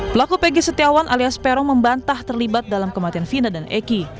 pelaku pegi setiawan alias peron membantah terlibat dalam kematian fina dan eki